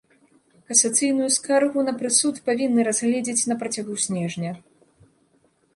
Касацыйную скаргу на прысуд павінны разгледзець на працягу снежня.